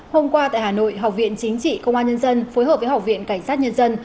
hôm qua tại hà nội học viện chính trị công an nhân dân phối hợp với học viện cảnh sát nhân dân